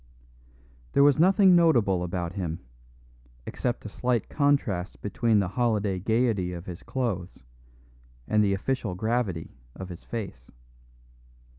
There was nothing notable about him, except a slight contrast between the holiday gaiety of his clothes and the official gravity of his face.